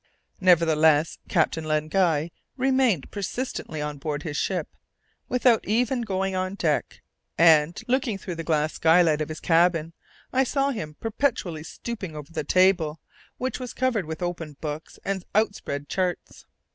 Nevertheless, Captain Len Guy remained persistently on board his ship, without even going on deck; and, looking through the glass skylight of his cabin, I saw him perpetually stooping over the table, which was covered with open books and out spread charts.